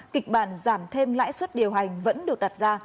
kịch bản giảm thêm lãi suất điều hành vẫn được đặt ra